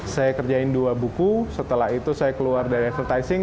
saya kerjain dua buku setelah itu saya keluar dari advertising